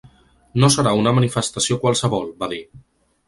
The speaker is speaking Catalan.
No serà una manifestació qualsevol, va dir.